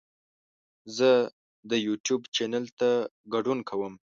زه د یوټیوب چینل ته ګډون کوم.